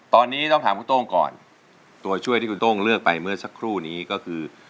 ตอนนี้ต้องถามคุณโต้งก่อนตัวช่วยที่คุณโต้งเลือกไปเมื่อสักครู่นี้ก็คือ